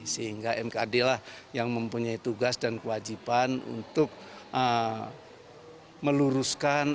sehingga mkd lah yang mempunyai tugas dan kewajiban untuk meluruskan